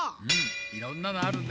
いろんなのあるね。